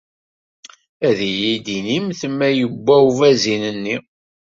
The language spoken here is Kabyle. Ad iyi-d-inimt ma yewwa ubazin-nni?